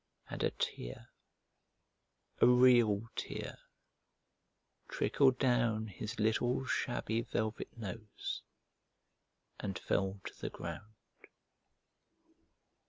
And a tear, a real tear, trickled down his little shabby velvet nose and fell to the ground.